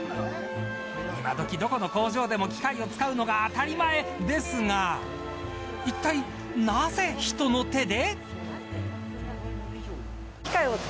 いまどきどこの工場でも機械を使うのが当たり前、ですがいったい、なぜ人の手で。